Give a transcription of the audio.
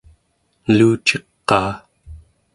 eluciqaa